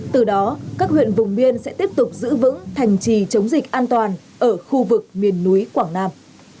từ đó các huyện vùng biên sẽ tiếp tục giữ vững thành trì chống dịch an toàn ở khu vực miền núi quảng nam